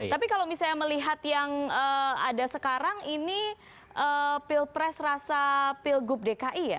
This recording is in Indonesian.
tapi kalau misalnya melihat yang ada sekarang ini pilpres rasa pilgub dki ya